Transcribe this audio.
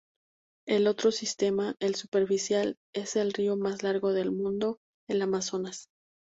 El otro sistema, el superficial, es el río más largo del mundo: el Amazonas.